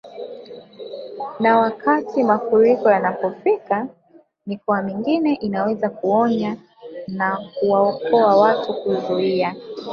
Na wakati mafuriko yanapofika mikoa mingine inaweza kuonya na kuwaokoa watu kuzuia